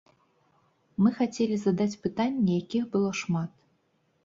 Мы хацелі задаць пытанні, якіх было шмат.